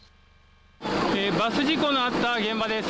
バス事故のあった現場です。